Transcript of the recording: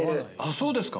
そうですか